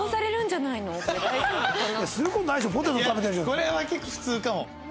これは結構普通かも。